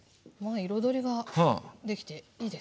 彩りができていいですね。